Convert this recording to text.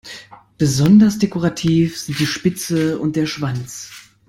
Besonders dekorativ sind die Spitze und der Schwanz.